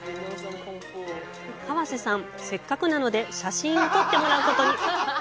川瀬さん、せっかくなので写真を撮ってもらうことに。